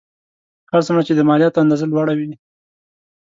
هر څومره چې د مالیاتو اندازه لوړه وي